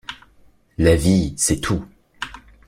La vie, c’est tout.